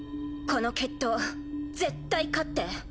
この決闘絶対勝って。